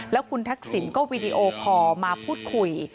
แล้วคุณทักษิณก็วีดีโอคอลมาพูดคุย